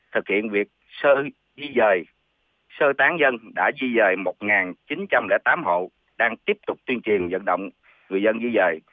thực hiện việc sơ di dời sơ tán dân đã di dời một chín trăm linh tám hộ đang tiếp tục tiên triền dẫn động người dân di dời